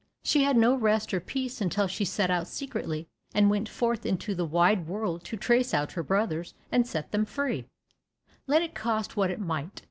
She had no rest or peace until she set out secretly, and went forth into the wide world to trace out her brothers and set them free, let it cost what it might.